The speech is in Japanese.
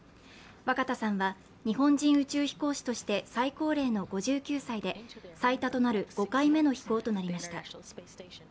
若田さんは日本人宇宙飛行士として最高齢の５９歳で最多となる５回目の飛行となりました。